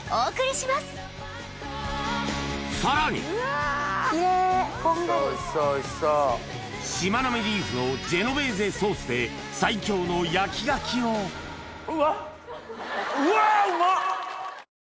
しまなみリーフのジェノベーゼソースで最強の焼き牡蠣をうわっ。